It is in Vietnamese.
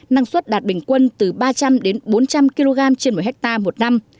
năng suất đạt bình quân từ ba trăm linh đến bốn trăm linh kg trên một hectare một năm